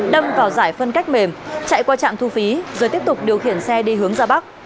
đâm vào giải phân cách mềm chạy qua trạm thu phí rồi tiếp tục điều khiển xe đi hướng ra bắc